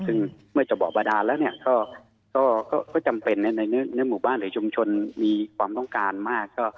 ซึ่งเมื่อจะบ่อบาดานแล้วก็จำเป็นในหมู่บ้านหรือชุมชนมีความต้องการมาก